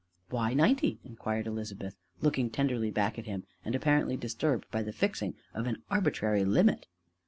"Why ninety?" inquired Elizabeth, looking tenderly back at him and apparently disturbed by the fixing of an arbitrary limit.